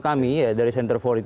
tidak seperti itu